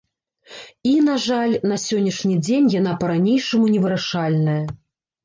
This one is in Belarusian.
І, на жаль, на сённяшні дзень яна па-ранейшаму невырашальная.